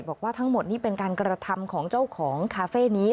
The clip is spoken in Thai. บอกว่าทั้งหมดนี่เป็นการกระทำของเจ้าของคาเฟ่นี้